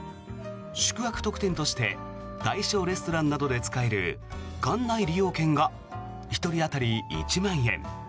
宿泊特典として対象レストランなどで使える館内利用券が１人当たり１万円